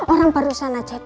orang perusahaan aja itu